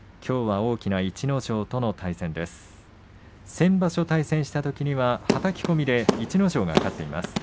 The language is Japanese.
先場所、対戦したときにははたき込みで逸ノ城が勝っています。